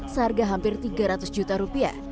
seharga hampir tiga ratus juta rupiah